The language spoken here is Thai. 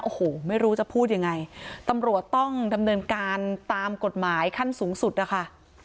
โอ้โหไม่รู้จะพูดยังไงตำรวจต้องดำเนินการตามกฎหมายขั้นสูงสุดนะคะ